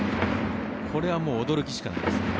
これは驚きしかないですね。